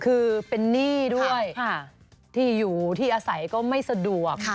คือเป็นหนี้ด้วยที่อยู่ที่อาศัยก็ไม่สะดวก